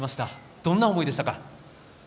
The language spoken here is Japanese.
どんな思いでしたか。